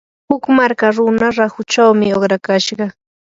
huk marka runa rahuchaw uqrakashqa.